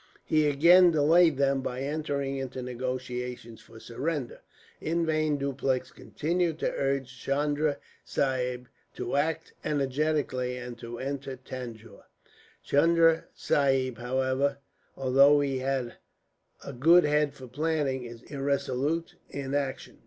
He again delayed them by entering into negotiations for surrender. In vain Dupleix continued to urge Chunda Sahib to act energetically, and to enter Tanjore. "Chunda Sahib, however, although he has a good head for planning, is irresolute in action.